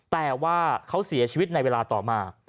แต่ว่าเขาเสียชีวิตในเวลาต่อมา